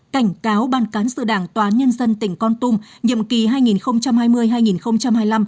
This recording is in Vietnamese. cảnh cáo ban cán sự đảng tòa án nhân dân tỉnh con tum nhiệm kỳ hai nghìn hai mươi hai nghìn hai mươi năm